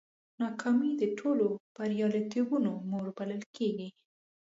ناکامي د ټولو بریالیتوبونو مور بلل کېږي.